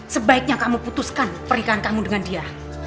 sebaiknya kamu putuskan pernikahan kamu dengan dia